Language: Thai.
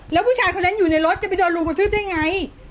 แล้วพี่ชายคนไหนอยู่ในรถจะไปดอดลูงของจึ๊บได้ไง